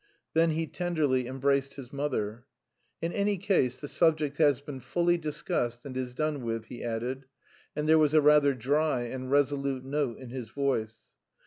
Then he tenderly embraced his mother. "In any case the subject has been fully discussed and is done with," he added, and there was a rather dry and resolute note in his voice.